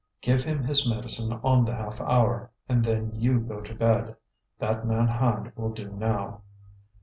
"Give him his medicine on the half hour, and then you go to bed. That man Hand will do now."